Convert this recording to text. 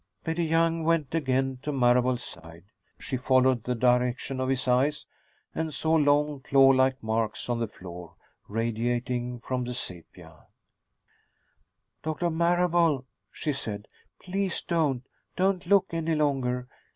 Betty Young went again to Marable's side. She followed the direction of his eyes, and saw long, clawlike marks on the floor, radiating from the sepia. "Doctor Marable," she said, "please don't don't look any longer.